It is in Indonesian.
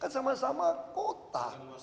kan sama sama kota